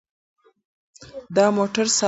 دا موټر ساده و.